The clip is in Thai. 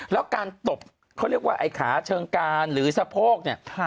แล้วการตบเขาเรียกว่าไอ้ขาเชิงการหรือสะโพกเนี่ย